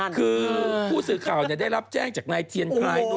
คือผู้สื่อข่าวเนี่ยได้รับแจ้งจากนายเทียนไครด์